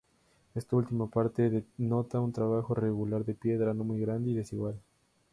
Esta última parte, denota un trabajo regular de piedra, no muy grande y desigual.